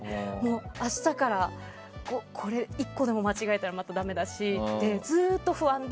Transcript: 明日から１個でも間違えたらだめだしってずっと不安で。